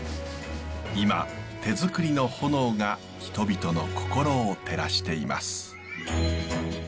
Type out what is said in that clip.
今手づくりの炎が人々の心を照らしています。